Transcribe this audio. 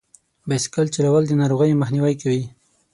بایسکل چلول د ناروغیو مخنیوی کوي.